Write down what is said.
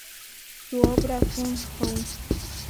Su obra "Fun Home.